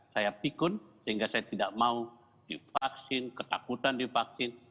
saya pikun sehingga saya tidak mau divaksin ketakutan divaksin